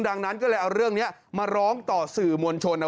ดังนั้นก็เลยเอาเรื่องนี้มาร้องต่อสื่อมวลชน